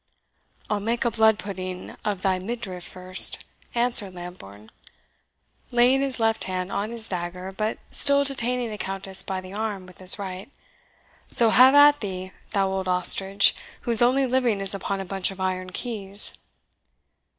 "I'll make a blood pudding of thy midriff first," answered Lambourne, laying his left hand on his dagger, but still detaining the Countess by the arm with his right. "So have at thee, thou old ostrich, whose only living is upon a bunch of iron keys."